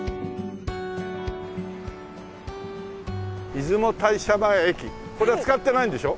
「出雲大社前駅」これは使ってないんでしょ？